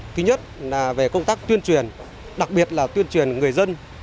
thứ nhất là về công tác tuyên truyền đặc biệt là tuyên truyền người dân